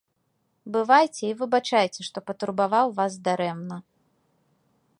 Бывайце і выбачайце, што патурбаваў вас дарэмна.